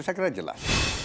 saya kira jelas